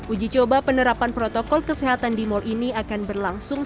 uji coba penerapan protokol kesehatan di mal ini akan berlangsung